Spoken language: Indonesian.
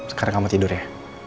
sekarang kamu tidur ya